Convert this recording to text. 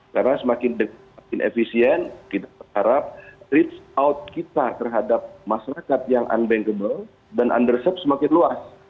karena semakin efisien kita harap reach out kita terhadap masyarakat yang unbankable dan undershift semakin luas